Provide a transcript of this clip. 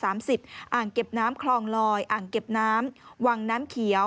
อ่างเก็บน้ำคลองลอยอ่างเก็บน้ำวังน้ำเขียว